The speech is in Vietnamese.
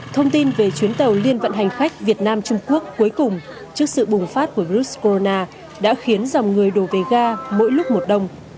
thông tin về chuyến tàu liên vận hành khách việt nam trung quốc cuối cùng trước sự bùng phát của virus corona đã khiến dòng người đổ về ga mỗi lúc một đồng